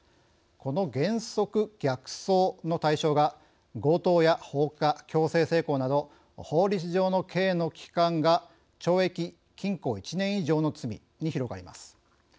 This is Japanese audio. この原則逆送の対象が強盗や放火強制性交など法律上の刑の期間が懲役・禁錮１年以上の罪に広がります。